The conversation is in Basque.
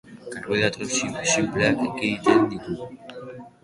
Karbohidrato sinpleak ekiditen ditu.